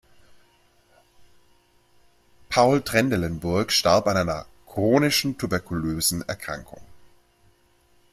Paul Trendelenburg starb an einer „chronischen tuberkulösen Erkrankung“.